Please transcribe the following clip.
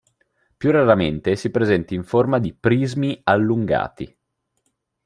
Più raramente si presenta in forma di prismi allungati.